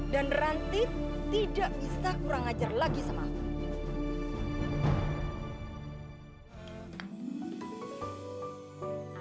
dan ranti tidak bisa kurang ajar lagi sama aku